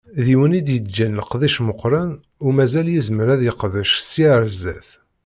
D yiwen i d-yeǧǧan leqdic meqqren u mazal yezmer ad yeqdec sya ar sdat.